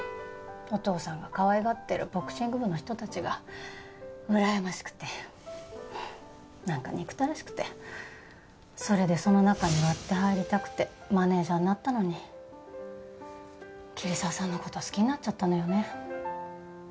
お父さんがかわいがってるボクシング部の人たちがうらやましくてなんか憎たらしくてそれでその中に割って入りたくてマネージャーになったのに桐沢さんの事好きになっちゃったのよね。